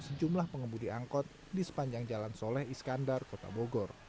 sejumlah pengemudi angkot di sepanjang jalan soleh iskandar kota bogor